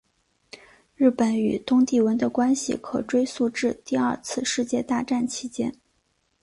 日本与东帝汶的关系可追溯至第二次世界大战期间。